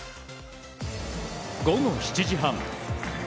午後７時半。